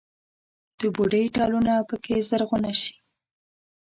د بوډۍ ټالونه پکښې زرغونه شي